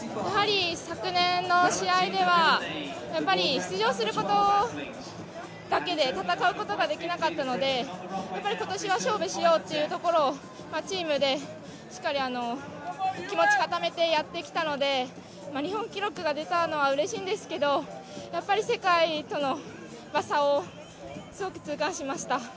昨年の試合では出場することだけで、戦うことができなかったので今年は勝負しようというところをチームでしっかり気持ち固めてやってきたので日本記録が出たのはうれしいんですけど世界との差をすごく痛感しました。